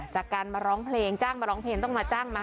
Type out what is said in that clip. จากการมาร้องเพลงจ้างมาร้องเพลงต้องมาจ้างมา